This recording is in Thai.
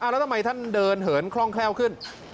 แล้วทำไมท่านเดินเหินคล่องแคล่วขึ้น